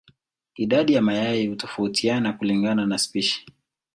Idadi ya mayai hutofautiana kulingana na spishi.